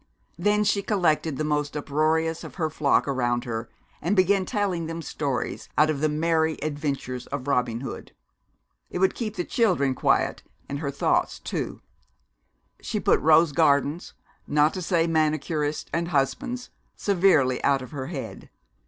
Then she collected the most uproarious of her flock around her and began telling them stories out of the "Merry Adventures of Robin Hood." It would keep the children quiet, and her thoughts, too. She put rose gardens, not to say manicurists and husbands, severely out of her head.